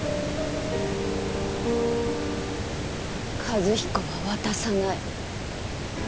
和彦は渡さない。